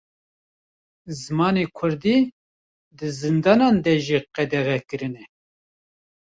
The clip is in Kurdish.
Zimanê Kurdî, di zindanan de jî qedexe kirine